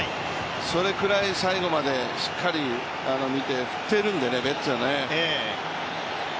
それくらい最後までしっかり見て、振っているので、ベッツはね。